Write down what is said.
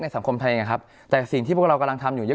สังคมไทยไงครับแต่สิ่งที่พวกเรากำลังทำอยู่เยอะ